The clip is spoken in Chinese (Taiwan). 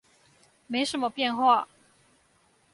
沒什麼變化